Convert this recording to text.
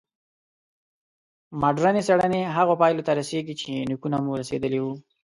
مډرني څېړنې هغو پایلو ته رسېږي چې نیکونه مو رسېدلي وو.